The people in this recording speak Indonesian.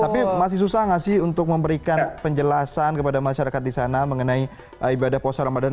tapi masih susah nggak sih untuk memberikan penjelasan kepada masyarakat di sana mengenai ibadah puasa ramadan